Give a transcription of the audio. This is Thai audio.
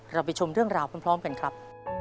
เราไปชมเรื่องราวพร้อมกันครับ